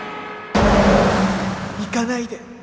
逝かないで！